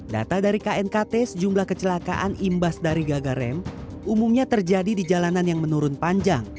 data dari knkt sejumlah kecelakaan imbas dari gagal rem umumnya terjadi di jalanan yang menurun panjang